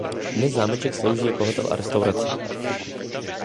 Dnes zámeček slouží jako hotel a restaurace.